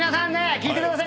聞いてください。